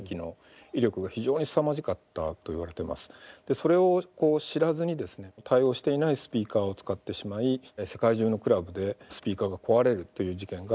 それを知らずにですね対応していないスピーカーを使ってしまい世界中のクラブでスピーカーが壊れるという事件が多発したと。